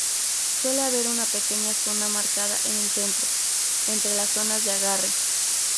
Suele haber una pequeña zona marcada en el centro, entre las zonas de agarre.